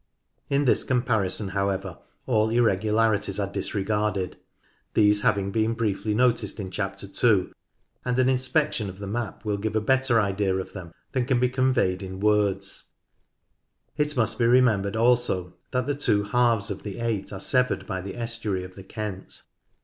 In this comparison, however, all irregularities are disregarded : these having been briefly noticed in Chapter 2, and an inspection of the map will give a better idea of them than can be con veyed in words. It must be remembered also that the two halves of the eight are severed by the estuary of the Kent.